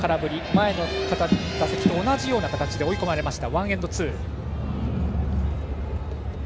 前の打席と同じような形で追い込まれました。